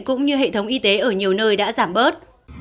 cũng như hệ thống y tế ở nhiều nơi đã giảm bớt